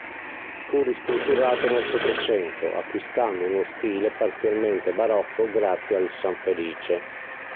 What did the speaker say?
Fu ristrutturato nel Settecento, acquistando uno stile parzialmente barocco grazie al Sanfelice.